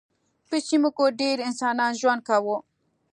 په سیمو کې ډېر انسانان ژوند کاوه.